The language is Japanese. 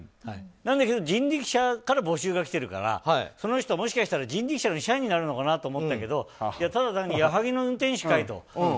なんだけど人力舎から募集が来てるからその人、もしかしたら人力舎の社員になるのかなと思ったけど、ただ単に矢作の運転手かいと。